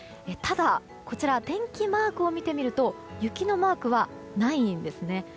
ただ、天気マークを見てみると雪のマークはないんです。